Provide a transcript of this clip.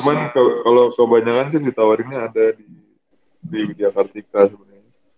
cuman kalo kebanyakan sih ditawarinnya ada di widya kartika sebenarnya